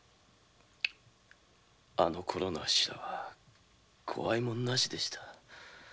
そのころのアッシらは怖いもんなしでした。